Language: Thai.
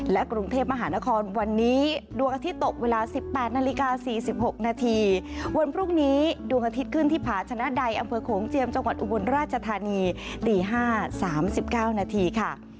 และกรุงเทพมหานครวันนี้ดวงอาทิตย์ตกเวลา๑๘นาฬิกา๔๖นาทีวันพรุ่งนี้ดวงอาทิตย์ขึ้นที่ผาชนะใดอำเภอโขงเจียมจังหวัดอุบลราชธานีตี๕๓๙นาทีค่ะ